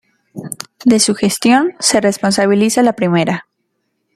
De su gestión se responsabiliza la primera.